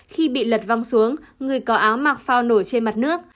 khi bị lật văng xuống người có áo mặc phao nổi trên mặt nước